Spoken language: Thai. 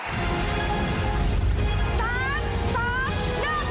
รุงคือนี้